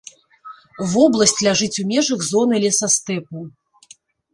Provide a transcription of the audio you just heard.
Вобласць ляжыць у межах зоны лесастэпу.